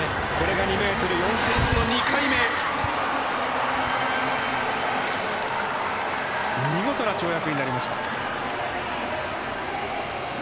２ｍ４ｃｍの２回目見事な跳躍になりました。